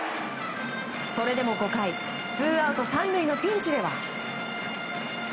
それでも５回ツーアウト３塁のピンチでは。